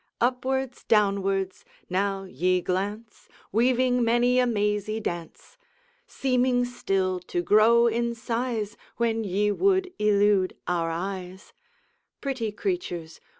Upwards, downwards, now ye glance, Weaving many a mazy dance; Seeming still to grow in size When ye would elude our eyes Pretty creatures!